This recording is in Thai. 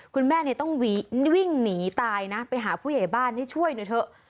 คุณแม่ต้องวิ่งหนีตายนะไปหาผู้ใหญ่บ้านให้ช่วยหน่อยเถอะ